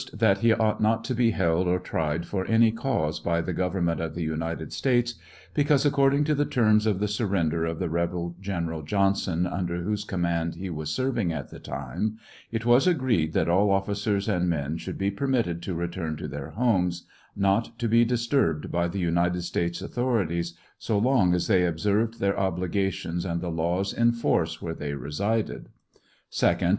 That he ought not to be held or tried, for any cause, by the government of the United States, because, according to the terms of the surrender of the rebel General Johnson, under whose command he was serving at the time, it was agreed that all officers and men should be permitted to return to their homes, not to be disturbed by the United States authorities so long as they observed their obligations and the laws in force where they resided. 2d.